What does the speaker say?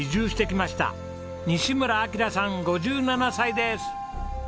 西村暁良さん５７歳です。